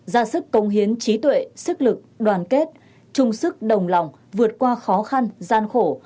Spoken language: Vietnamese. ra sức công hiến trí tuệ sức lực đoàn kết chung sức đồng lòng vượt qua khó khăn gian khổ